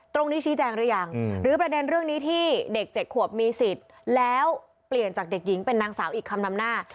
ตรงนี้ชี้แจงหรือยังหรือประเด็นเรื่องนี้ที่เด็ก๗ขวบมีสิทธิ์แล้วเปลี่ยนจากเด็กหญิงเป็นนางสาวอีกคำนำหน้า